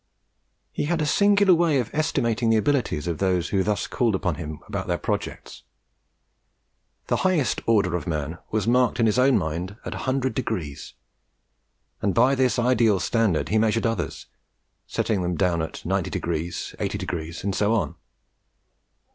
He had a singular way of estimating the abilities of those who thus called upon him about their projects. The highest order of man was marked in his own mind at 100 degrees; and by this ideal standard he measured others, setting them down at 90 degrees, 80 degrees, and so on.